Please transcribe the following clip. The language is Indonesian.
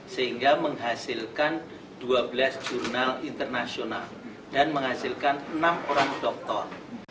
sehingga menghasilkan dua belas jurnal internasional dan menghasilkan enam orang dokter